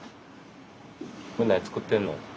これ何作ってんの？